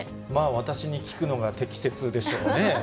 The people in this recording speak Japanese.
私に聞くのが適切でしょうね。